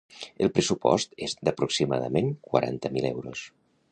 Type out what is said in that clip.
El pressupost és d’aproximadament quaranta mil euros.